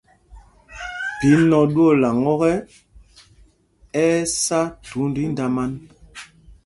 Phī ɛ̂ ɓuu nɔ ɗwoolaŋ ɔ́kɛ, ɛ́ ɛ́ sá thund índamān.